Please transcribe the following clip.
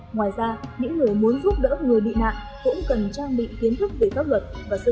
ngoài ra những người muốn giúp đỡ người bị nạn cũng cần trang bị kiến thức về pháp luật và sự